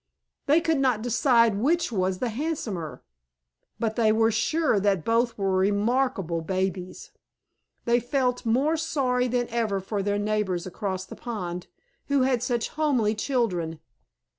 They could not decide which was the handsomer, but they were sure that both were remarkable babies. They felt more sorry than ever for their neighbors across the pond, who had such homely children.